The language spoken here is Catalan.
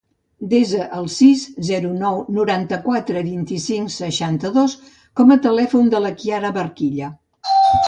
Desa el sis, zero, nou, noranta-quatre, vint-i-cinc, seixanta-dos com a telèfon de la Kiara Barquilla.